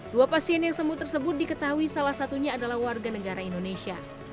dua pasien yang sembuh tersebut diketahui salah satunya adalah warga negara indonesia